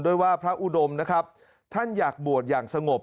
ด้วยว่าพระอุดมนะครับท่านอยากบวชอย่างสงบ